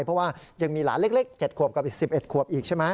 เพราะว่ายังมีหลานเล็ก๗ขวบกับอีก๑๑ขวบอีกใช่ไหม